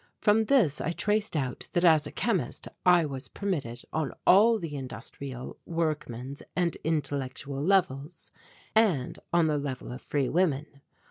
From this I traced out that as a chemist I was permitted on all the industrial, workmen's and intellectual levels, and on the Level of Free Women.